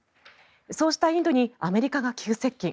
そうしたインドにアメリカが急接近。